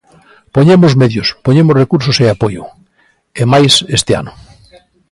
Poñemos medios, poñemos recursos e apoio; e máis este ano.